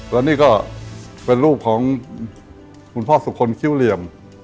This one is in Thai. แล้วนี่ก็เป็นรูปของคุณพ่อสุคลคิ้วเหลี่ยม